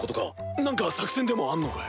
何か作戦でもあんのかよ？